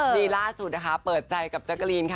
นี่ล่าสุดนะคะเปิดใจกับแจ๊กกะลีนค่ะ